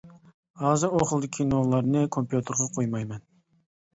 ھازىر ئۇ خىلدىكى كىنولارنى كومپيۇتېرغا قويمايمەن.